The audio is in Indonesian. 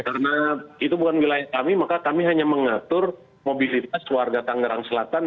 karena itu bukan wilayah kami maka kami hanya mengatur mobilitas warga tenggerang selatan